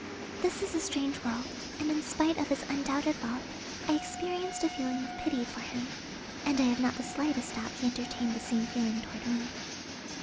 This is a strange world, and in spite of his undoubted wealth I experienced a feeling of pity for him, and I have not the slightest doubt he entertained the same feeling toward me.